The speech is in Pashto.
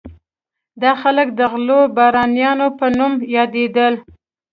دا خلک د غلو بارونیانو په نوم یادېدل.